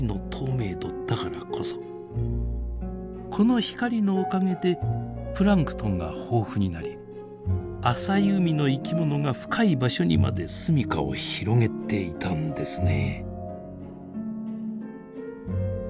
この光のおかげでプランクトンが豊富になり浅い海の生き物が深い場所にまで住みかを広げていたんですね。